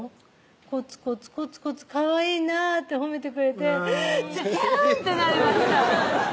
「コツコツコツコツ可愛いな」って褒めてくれてズキューンってなりました